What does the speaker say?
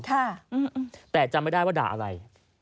แต่จำไม่ได้ว่าด่าอะไร